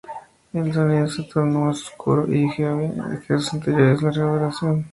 El sonido se tornó más oscuro y "heavy" que sus anteriores larga duración.